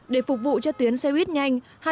để phục vụ cho tuyến xe buýt nhanh